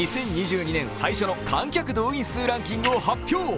２０２２年最初の観客動員数ランキングを発表。